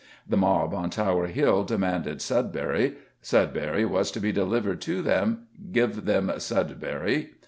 The mob on Tower Hill demanded Sudbury; Sudbury was to be delivered to them; give them Sudbury.